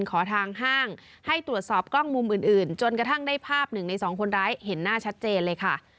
ขอทางห้างให้ตรวจสอบกล้องมุมอื่นจนกระทั่งได้ภาพหนึ่งในสองคนร้ายเห็นหน้าชัดเจนเลยค่ะ